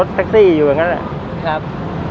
สวัสดีครับ